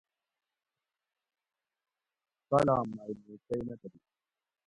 کالام مئی مو کئی نہ دۤھرو